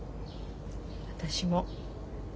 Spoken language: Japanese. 私も。